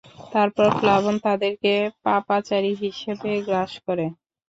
তারপর প্লাবন তাদেরকে পাপাচারী হিসাবে গ্রাস করে।